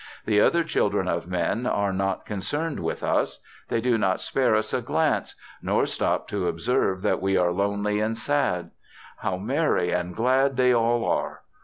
The other children of men are not concerned with us. They do not spare us a glance nor stop to observe that we are lonely and sad. How merry and glad they all are.